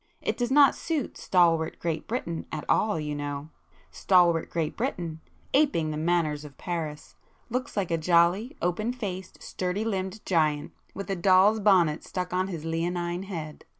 It does not suit stalwart Great Britain at all, you know,—stalwart Great Britain, aping the manners of Paris, looks like a jolly open faced, sturdy limbed Giant, with a doll's bonnet stuck on his leonine head.